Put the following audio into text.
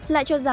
lại cho rằng là